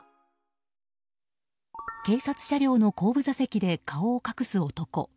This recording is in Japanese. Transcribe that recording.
警察車両の後部座席で顔を隠す男。